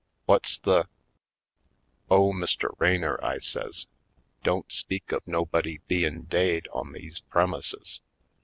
What's the " "Oh, Mr. Raynor," I says, "don't speak of nobody bein' daid on these premises.